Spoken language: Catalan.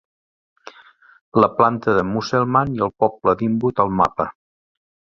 la planta de Musselman i el poble d'Inwood al mapa.